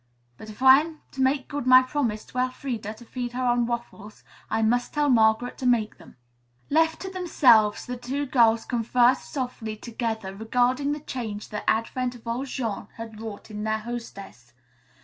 But if I am to make good my promise to Elfreda to feed her on waffles, I must tell Margaret to make them." Left to themselves, the two girls conversed softly together regarding the change the advent of old Jean had wrought in their hostess.